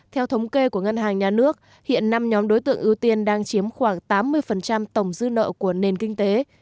theo thống kê của ngân hàng nhà nước hiện năm nhóm đối tượng ưu tiên đang chiếm khoảng tám mươi tổng dư nợ của nền kinh tế